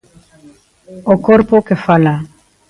O corpo que fala.